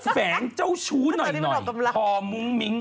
แฝงเจ้าชู้หน่อยพอมุ้งมิ้ง